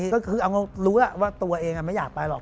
ก็คือเอารู้ว่าตัวเองไม่อยากไปหรอก